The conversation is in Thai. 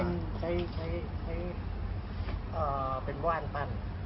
เป็นใช้ใช้ใช้